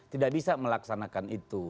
tidak bisa melaksanakan itu